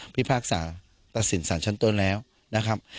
พิพากษาตัดสินสารชั้นต้นแล้วนะครับ